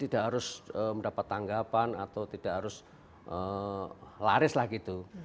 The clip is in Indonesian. tidak harus mendapat tanggapan atau tidak harus laris lah gitu